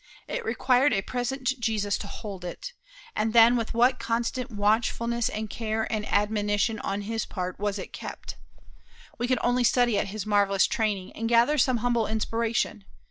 It required a present Jesus to hold it, and then with what constant watchfulness and care and admonition on his part was it kept! We can only study at his marvelous training, and gather some humble inspiration.